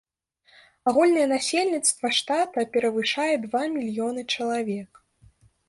Агульнае насельніцтва штата перавышае два мільёны чалавек.